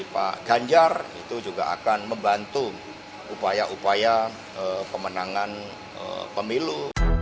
pak ganjar itu juga akan membantu upaya upaya pemenangan pemilu